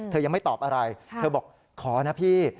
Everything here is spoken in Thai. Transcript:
ยังไม่ตอบอะไรเธอบอกขอนะพี่